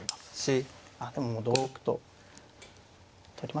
あっでももう同玉と取りましたね。